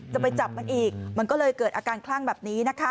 จะไปจับมันอีกมันก็เลยเกิดอาการคลั่งแบบนี้นะคะ